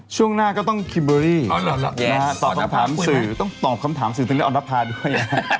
ช่วงหน้าก็ต้องคิมเบอรี่ต้องตอบคำถามสื่อต้องตอบคำถามสื่อตรงนี้อรรพาดด้วย